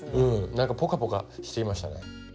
なんかポカポカしてきましたね。